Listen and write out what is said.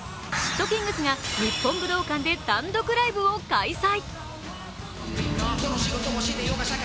ｔｋｉｎｇｚが日本武道館で単独ライブを開催。